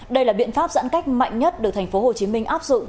đây là biện pháp giãn cách mạnh nhất được thành phố hồ chí minh áp dụng